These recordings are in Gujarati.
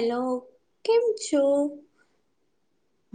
હેલો કેમ છુ?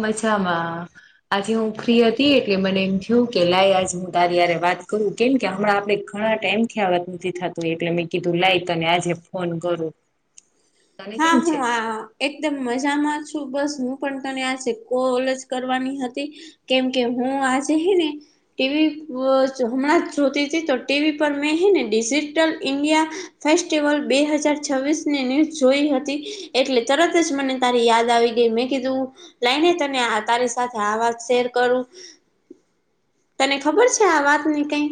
મજામાં. આજે હું ફ્રી હતી એટલે મને એમ થયું કે લાય આજ હું તારીારે વાત કરું. કેમ કે હમણાં આપે ઘણા ટાઈમથીત નથી થતું એટલે મેં કીધું લાઈક અને આજે ફોન કરો. [inaudible] હા હ આ એકદમ મજામાં છું બસ હું પણ તને આજે કોલજ કરવાની હતી. કેમ કે હું આજ હ ને ટીવી હણાં જોતીથી તો ટીવી પર મેં હ ને ડિજીિટલ ઇન્ડિયા. ફેસ્ટિવલ બે હજાર છવ્વીસ ની જોઈ હતી, એટલે તરત જ મને તારી યાદ આવી ગઈ મેં કીધું લઈને તને તારી સાથે આ વાત શેર કરું. તને ખબર છે આ વાતની કઈ?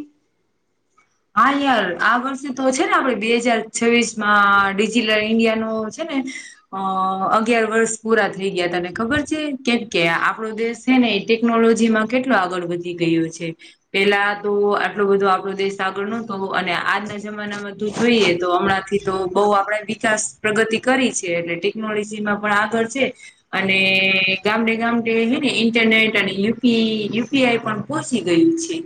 હા યાર આ વર્ષે તો છે ને આપડે બે હજાર છવ્વીસમાં ડિજિટલ ઈન્ડિયાનો છે ને હહ અગિયાર વર્ષ પૂરા થઈ ગયા તને ખબર છે? કેમ કે આપણો દેશ છે ને એ ટેકનોલોજીમાં કેટલો આગળ વધી ગયો છે. પેલા તો આટલો બધો આપડો દેશ તો આગળ નતો અને આજના જમાનામાં તું જોઈએ તો હમણાંથી તો બહુ આપણા વિકાસ પ્રગતિ કરી છે અને ટેકનોલોજી માં પણ આગળ છે. અને ગામડે ગામડે છે ને ઇન્ટરનેટ અને યુપી યુ પી આઈ પણ પહચી ગયું છે.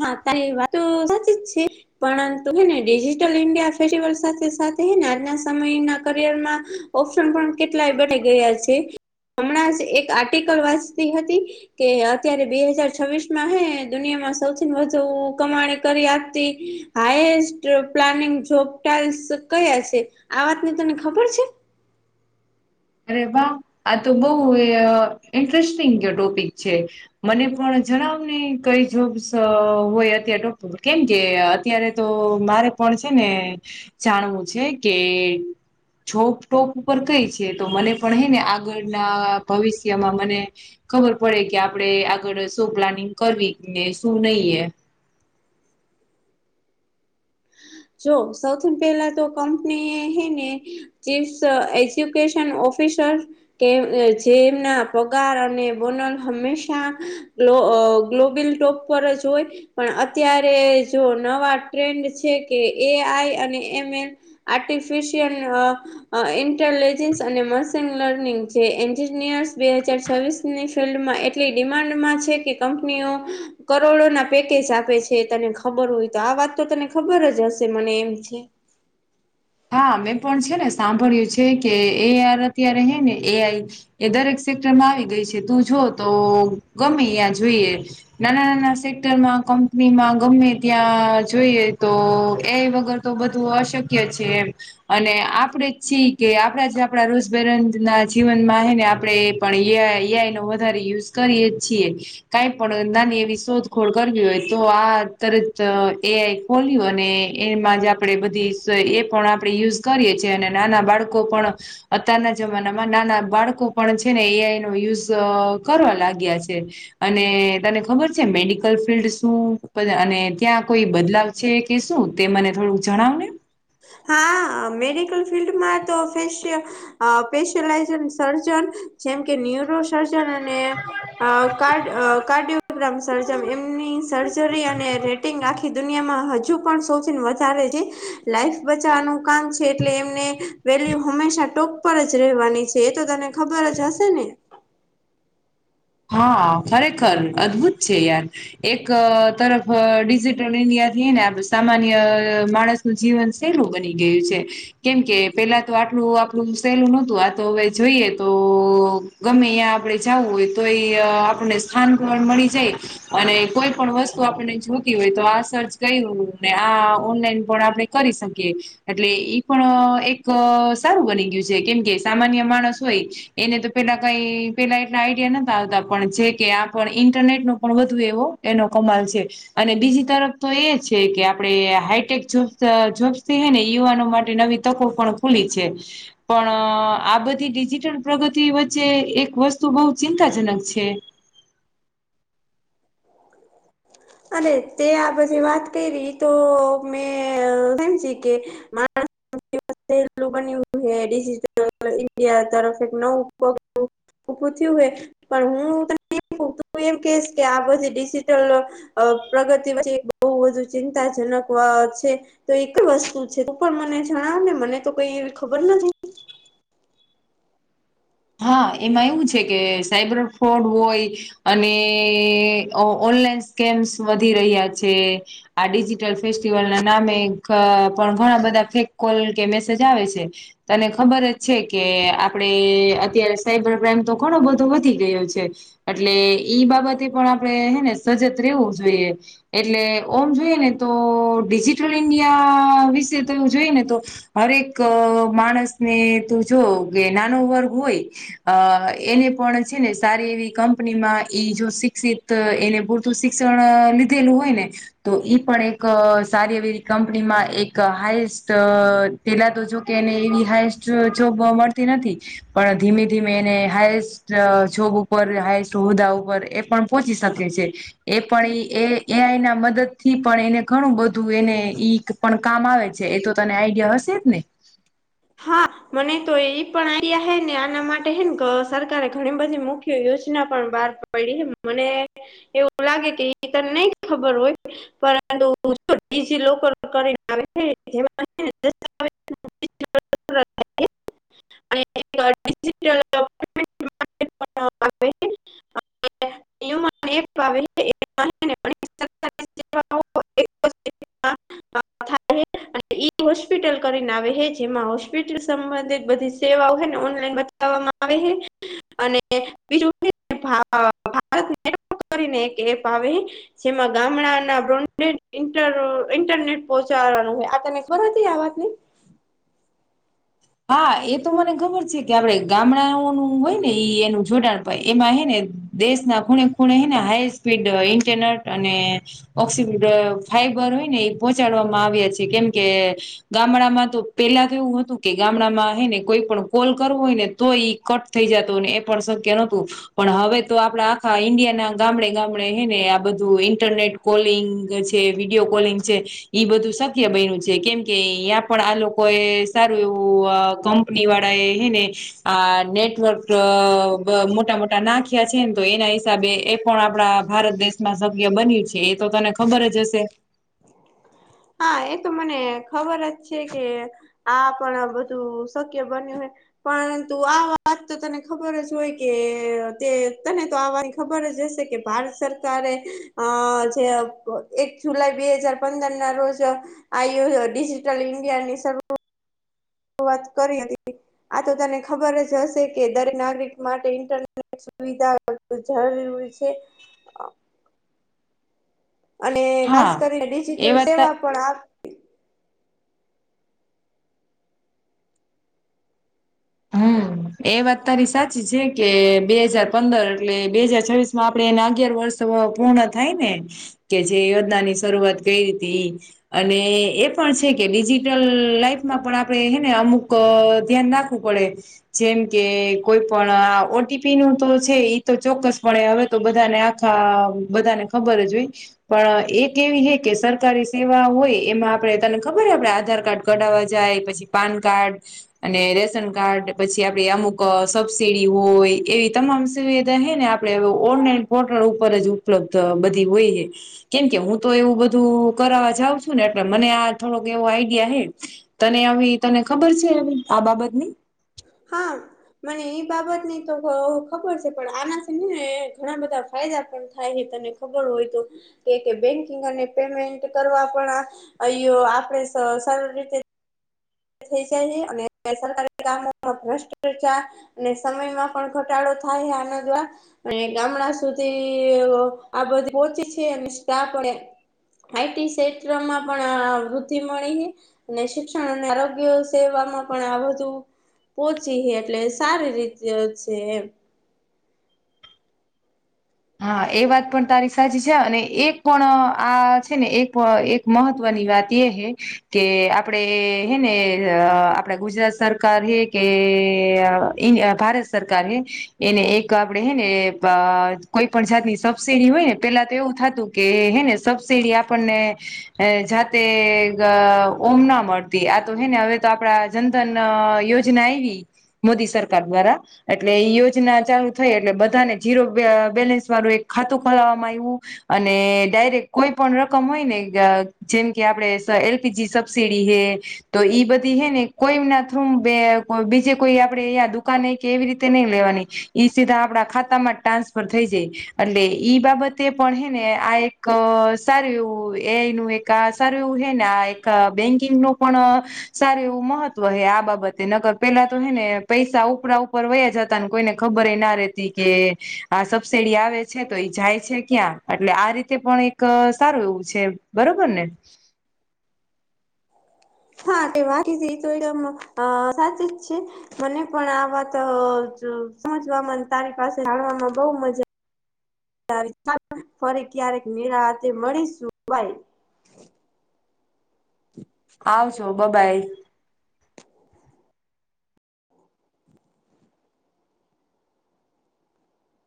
હા તારી વાત તો સાચી જ છે. પરંતુ હેને ડિજિટલ ઇન્ડિયા ફેિવલ સાથે સાથે આજના સમયના કરિયરમાં. ઓપ્શન પણ કેટલાય બના ગયા છે, હમણાં જ એક આર્ટિકલ વાંચતી હતી. કે અત્યારે બે હજાર છવ્વીસમાં હેને દુનિયામાં સૌથી વધુ કમાણી કરી આપતી. હાઈએસ્ટ પ્લાનિંગ જોબ ટાઇલ્સ કયા છે? આ વાતની તને ખબર છે? અરે વાહ! આ તો બહુ ઇન્ટરેસ્ટિંગ ટોપિક છે. મને પણ જણાવને કઈ જોબ્સ હોય અત્યારે ડો કેમ કે અત્ અત્યારે તો મારે પણ છે ને જાણવું છે કે જોબ ટોપ ઉપર કઈ છે. તો મને પણ હે ને આગળના ભવિષ્યમાં મને ખબર પડે કે આપડે આગળ શું પ્લાનિંગ કરવી કે શું નહી એમ. જો સૌથીન પહેલા તો કંપની હે ને ચીફ એજ્યુકેશન ઓફિસર. કે જેમના પગાર અને બોનલ હંમેશા ગ્લો અ ગ્લોબેલ ટોપ પર જ હોય. પણ અત્યારે જો નવા ટ્રેન્ડ છે કે એઆઈ અને M M. Artificial uh uh intelligence અને મશીન લર્નિંગ જે એન્જિનિયર્સ બે હજાર છવ્વીસ ની ફિલ્ડમાં એટલી ડિમાન્ડમાં છે કે કંપનીઓ કરોડોના પેકેજ આપે છે. તને ખબર હોય તો આ વાત તો તને ખબર જ હશે મને એમ છે. હા મેં પણ છે ને સાંભળ્યું છે કે એઆર અત્યારે હે ને એઆઈ. એ દરેક સેક્ટરમાં આવી ગઈ છે તું જો તો ગમે યાં જોઈએ. નાના નાના સેક્ટરમાં, કંપનીમાં ગમે ત્યાં જોઈએ તો એ વગર તો બધું અશક્ય જ છે એમ. અને આપડે જ છી કે આપણા જે આપણા રોજબેરના જીવનમાં હેને આપણેે પણ યા એઆઈનો વધારે યુઝ કરીએે જ છીએ. કાઈ પણ નાની એવી શોધખોળ કરવી હોય તો આ તરત એઆઈ ખોલ્યું અને એમાં જ આપડે બધી સ એપ પણ આપણે યુઝ કરીએ છીએ. અને નાના બાળકો પણ અતારના જમાનામાં નાના બાળકો પણ છે ને એઆઈ નો યુઝ કરવા લાગ્યા છે. અને તને ખબર છે મેડિકલ ફિલ્ડ શું અને ત્યાં કોઈ બદલાવ છે કે શું? તે મને થોડુંક જણાવને. હા મેડિકલ ફિલ્ડમાં તો [inaudible] અ સ્પેશિયલાઇજન સર્જન જેમ કે ન્યુરો સર્જન અને uh card uh cardiogram surgeon એમની સર્જરી અને રેટિંગ આખી દુનિયામાં હજુ પણ સૌથીન વધારે છે. લાઈફ બચાવાનું કામ છે એટલે એમને વેલ્યુ હંમેશા ટોક પર જ રહેવાની છે એ તો તને ખબર જ હશે ને? હહ ખરેખર અદ્ભુત છે યાર. એક તરફ ડિજિટલ ઇન્ડિયાથી હેને આપણે સામાન્ય માણસ નું જીવન સહેલું બની ગયું છે. કેમ કે પેલા તો આટલું આપણું સહેલું નોતું આ તો હવે જોઈએ તો ગમે અયા આપડે જાવું હોય તો એ આપણને સ્થાન પણ મળી જાય અને કોઈ પણ વસ્તુ આપણને જોતી હોય તો આ સર્ચ કરી લવ આ ઓનલાઈન પણ આપણેે કરી શકીએ એટલે ઈ પણ એક સારું બની ગયું છે, કેમ કે સામાન્ય માણસ હોય એને તો પેલા કાઈ પેલા એટલા આઈડિયા નત આવતા પણ છે. કે આ પણ ઇન્ટરનેટનો પણ વધુ એવો એનો કમાલ છે. અને બીજી તરફ તો એ છે કે આપડે હાઈટેક જોબ જોબ્સથી હેને યુવાનો માટે નવી તકો પણ ખૂલી છે. પણ આ બધી ડિજિટલ પ્રગતિ વચ્ચે એક વસ્તુ બહુ ચિંત તા જનક છે. અને તે આ બધી વાત કયરી ઈતો મેં હમજી કે માણ [unintelligible] ડિજિટલ ઇન્ડિયા તરફ એક નવુ પગ ઉભું થયું હોય પણ હું તું એમ કેશ કે આ પછી ડિજિટલ અ પ્રગતિ પછી બો વધુ ચિંતાજનક છે. તો એક વસ્તુ છે, તું પણ મને જણાવ ને મને તો કઈ એવી ખબર નથી હા એમાં એવું છે, કે સાઈબર ફ્રોડ હોય અને ઓ ઓનલાઈન સ્કેમ્સ વધી રહ્યા છે. આ ડિજિટલ ફેસ્ટિવલના નામે ધ પણ ઘણા બધા ફેક કોલ કે મેસેજ આવે છે. તને ખબર જ છે, કે આપણેે અત્યારે સાયબર ક્રાઈમ તો ઘણો બધો વધી ગયો છે. એટલે ઈ બાબતે પણ આપણે હે ને સજત રહેેવું જોઈએ એટલે ઓમ જોઈએ ને તો ડિજિટલ ઇન્ડિયા વિશે તો જોઈએ ને તો હરેક માણસને તું જો કે નાનો વર્ગ હોય અ એને પણ છે, ને સારી એવી કંપનીમાં ઈ જો શિક્ષિત ત એને પૂરતું શિક્ષણ લીધેલું હોય ને તો ઈ પણ એક સારી એવી કંપનીમાં એક હાઈસ્ટ પેલા તો જોકે એને એવી હાઈસ્ટ જોબ મળતી નથી પણ ધીમે ધીમે એને હાઇસ્ટ જોબ ઉપર હાએસ્ટ હોદ્દા ઉપર એ પણ પહોંચી શકે છે. એ પણ એ એ એ આઈ ના મદદથી પણ એને ઘણું બધું એને ઈ પણ કામ આવે છે, એ તો તને આઈડિયા હશે જ ને? હા. મને તો એ પણ આયા હે ને આના માટે હેન સરકારે ઘણી બધી મુખ્ય યોજના પણ બહાર પયડી મને એવું લાગે કે એ તને નહી ખબર હોય પરંતુ જો ડીજીલોકર કરીને આવેને [unintelligible] [inaudible] [inaudible] [inaudible] [inaudible] અને ઈ હોસ્પિટલ કરીને આવે હે જેમાં હોસ્પિટલ સંબંધિત બધી સેવાઓ હેને ઓનલાઈન બતાવવામાં આવે હે અને બીજું ભા ભારત કરીને એક એપ આવે જેમાં ગામડાના બ્રોન્ડેડ ઇનટર ઇન્ટરનેટ પહોંચાડવાનું હોય આ તને ખબરથી આ વાત ને હા એ તો મને ખબર છે, કે આપડે ગામડાઓનું હોય ને ઈ એનું જોડાણ પય એમાં હે ને દેશના ખૂણે ખૂણે હેને હાઈસ સ્પીડ ઇન્ટરનેટ અને ઓકસીડ ફાઈબર હોય ને એ પહોચાડવામાં આવ્યા છે, કેમકે ગામડામાં તો પેલા કેવું હતું કે ગામડામાં હેને કોઈ પણ કોલ કરવો હોય ને તો ઈ કટ થઈ જતો ને એ પણ શક્ય નતું પણ હવે તો આપડા આખા ઈન્ડિયાના ગામડે ગામડે હે ને આ બધું ઇન્ટરનેટ કોલિંગ છે, વિડીયો કોલિંગ છે. ઈ બધું શક્ય બયનું છે, કેમ કે અયાં પણ આ લોકો એ સા એવું અ કંપની વાળા એ હે ને આ નેટવર્ક મોટા મોટા ના ખીયા છે, ને તો એના હિસાબે એ પણ આપણા ભારત દેશમાં શકય બન્યું છે, એ તો તને ખબર જ હશે હા એ તો મને ખબર જ છે, કે આ પણ બધું શક્ય બન્યું હોય પરંતુ આ વાત તો તને ખબર જ હોય કે તે તને તો આ વા ખબર જ હશે કે ભારત સરકારે અ જે એક જુલાઈ બે હજાર પંદર ના રોજ [unintelligible] ઇન્ડિયાની સ વાત કરી હતી આ તો તને ખબર જ હશે કે દરેક નાગરિક માટે ઇન્ટર સુવિધા વધુ જરૂરી છે. અને ખાસ હા કરીને એ ડિજિટલ વાત તા સેવા પણ આ હમ. એ વાત તારી સાચી છે, કે બે હાજાર પંદર એટલે બે હાજર છવ્વીસમાં આપડે એના અગિયાર વર્ષ પૂર્ણ થાય ને કે જે યોજનાની શરૂઆત કયરી તી અને એ પણ છે, કે ડિજિટલ લાઈફમાં પણ આપણે હેને અમુક ધ્યાન ના ખુ પડે જેમ કે કોઈ પણ ઓ ટી પી નું તો છે, ઈ તો ચોક્કસ પણે હવે તો બધાને આખા બધાને ખબર જ હોય પણ એક કેવી હૈ કે સરકારી સેવા હોય એમાં આપડે તને ખબર આપડે આધાર કાર્ડ કઢવા જાય પછી પાન કાર્ડ અને રે શન કાર્ડ પછી આપડે અમુક સબસીડી હોય એવી તમામ સુવિધા હે ને આપડે ઓનલાઈન કોટણ ઉપર જ ઉપલબ્ધ બધી હોય હે કેમ કે હું તો એવું બધું કરવા જાઉ છું ને એટલે મને આ થોડોક એવો આઈડિયા હે તને આવી તને ખબર છે, આ બાબતની હા. મને એ બાબતની તો ખબર છે, પણ આનાથી ને ઘણા બધા ફાયદા પણ થાય હે તને ખબર હોય તો કે કે બેંકિંગ અને પેમેન્ટ કરવા પણ આ અંય આપણે સ સરળ રીતે થય જાય હે અને સરકારી કામોમા ભ્રષ્ટચા ને સમયમાં પણ ઘટાડો થાય આના દ્વા અને ગામડા સુધી આ બધી પોહોચી છે, અને સ્ટા પણે આઈટી ક્ષેત્રમાં પણ વૃદ્ધિ મળી હે અને શિક્ષણ અને આરો આરોગય સેવામાં પણ આ બધું પોહચી હે એટલે સારી રીતે છે, એમ હા એ વાત પણ તારી સાચી છે, અને એક પણ આ છે, ને એક મહત્વની વાત એ હે કે આપડે હેને આપણા ગુજરાત સરકાર હે કે અ ઈ ભારત સરકાર હે એને એક આપડે હે ને પા કોઈ પણ જાતની સબસીડી હોય ને પેલા તો એવું થતું કે હે ને સબસિડી આપણને જાતે ઓમ ના મળતી આ તો હે ને હવે તો આપડા જનધન યોજના આયવી મોદી સરકાર દ્વારા એટલે એ યોજના ચાલુ થઈ એટલે બધાને જીરો બય બેલેન્સ વાળું એક ખાતું ખોલાવામાં આવ્યું અને ડાયરેક્ટ કોઈ પણ રકમ હોય ને અ જેમ કે આપડે એલપીજી સબસીડી હે તો ઈ બધી હે ને કોઈના થરુ બે બીજે કોઈ આપડે અયા દુકાન કે એવી રીતે નઈ લેવાની ઈ સીધા આપડા ખાતામાં ટ્રાન્સફર થઈ જાય એટલે ઈ બાબતે પણ હે ને આ એક સારું એવું એ નુ એક કા સારું એવું હે ને આ એક બેંકિંગનું પણ સારું એવું મહત્વ હે આ બાબતે નગર પેલા તો હે ને પૈસા ઉપરા ઉપર વયા જ તા કોઈને ખબર એ ના રેતી કે આ સબસીડી આવે છે, તો એઈ જાય છે, ક્યાં એટલે આ રીતે પણ એક સારું એવું છે. બરોબર ને હા તે વાકી છે, એ તો એકદમ અ સાચી જ છે. મને પણ આ વાત સમજવામાં તારી પાસે જાણવામાં બો મજા [unintelligible] ફરી ક્યારેક નિરાતે મળીશું બાય આવજો બ બાઈ